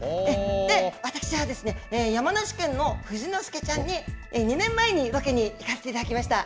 で、私は、山梨県の富士の介ちゃんに、２年前にロケに行かせていただきました。